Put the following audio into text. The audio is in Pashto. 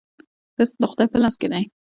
رزق د خدای په لاس کې دی